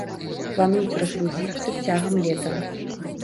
Плануюць разгрузіцца цягам лета.